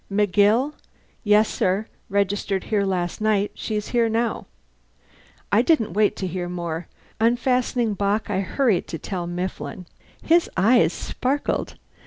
"" "McGill? Yes, sir, registered here last night. She's here now." I didn't wait to hear more. Unfastening Bock, I hurried to tell Mifflin. His eyes sparkled.